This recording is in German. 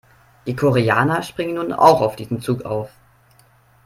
Die Koreaner springen nun auch auf diesen Zug auf.